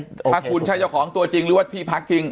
ถ้าคุณใช่เจ้าของตัวจริงหรือว่าที่พักจริง